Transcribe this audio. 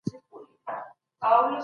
ایا د بوري تولید دوام درلود؟